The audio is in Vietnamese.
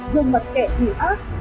gương mặt kẻ thì ác